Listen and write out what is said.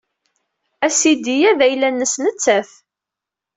Asidi-a d ayla-nnes nettat.